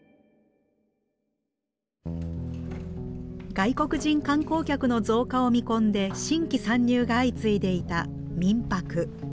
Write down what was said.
外国人観光客の増加を見込んで新規参入が相次いでいた民泊。